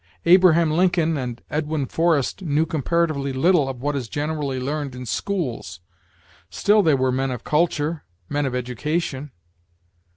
Abraham Lincoln and Edwin Forrest knew comparatively little of what is generally learned in schools; still they were men of culture, men of education.